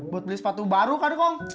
buat beli sepatu baru kak dukong